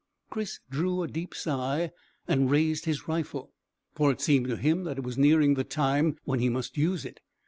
Chris drew a deep sigh and raised his rifle, for it seemed to him that it was nearing the time when he must use it.